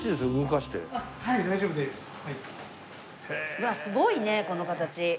うわっすごいねこの形。